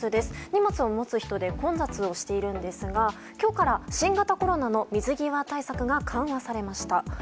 荷物を持つ人で混雑をしているんですが今日から新型コロナの水際対策が緩和されました。